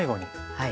はい。